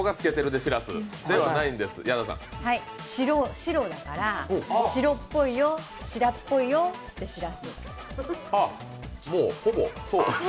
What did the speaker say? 白だから、白っぽいよ、しらっぽいよ、でしらす？